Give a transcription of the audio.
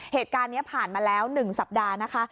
เหตุการณ์นี้ผ่านมาแล้ว๑สัปดาห์นะคะ